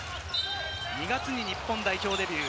２月に日本代表デビュー。